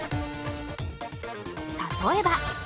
例えば。